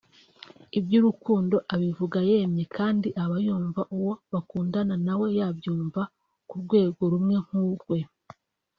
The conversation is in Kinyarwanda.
Iby’urukundo abivuga yemye kandi aba yumva uwo bakundana nawe yabyumva ku rwego rumwe nk’urwe